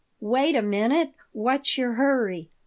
"Wait a moment! What's your hurry?"